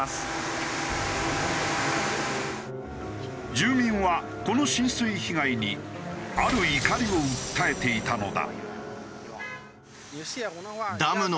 住民はこの浸水被害にある怒りを訴えていたのだ。